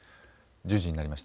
１０時になりました。